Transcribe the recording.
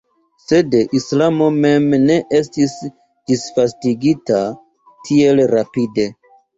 Sed islamo mem ne estis disvastigita tiel rapide.